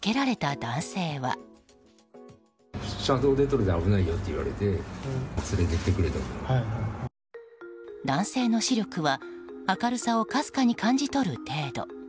男性の視力は明るさをかすかに感じ取る程度。